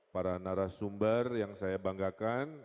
para narasumber yang saya banggakan